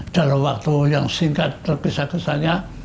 dalam waktu yang singkat terpisah kesannya